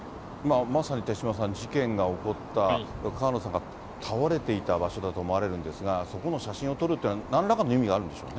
まさに手嶋さん、事件が起こった、川野さんが倒れていた場所だと思われるんですが、そこの写真を撮るというのは、なんらかの意味があるんでしょうね。